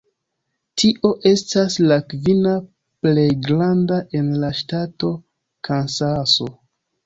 Tio estas la kvina plej granda en la ŝtato Kansaso.